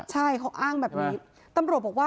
ใช่เขาอ้างแบบนี้ตำรวจบอกว่า